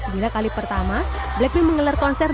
bila kali pertama blackpink mengelar konser dengan seharian